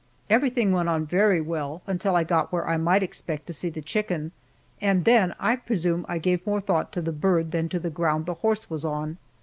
Everything went on very well until I got where I might expect to see the chicken, and then I presume I gave more thought to the bird than to the ground the horse was on.